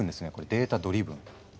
データドリブン。